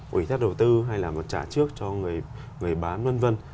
quỹ thác đầu tư hay là trả trước cho người bán vân vân